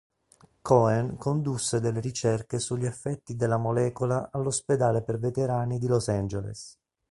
Cohen condusse delle ricerche sugli effetti della molecola all'Ospedale per Veterani di Los Angeles.